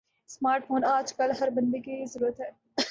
smart phone آج کل ہر بندے کی ضرورت ہے